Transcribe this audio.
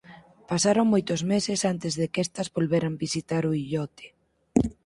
Pasaron moitos meses antes de que estas volveran visitar o illote.